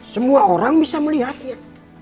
semua orang bisa melihatnya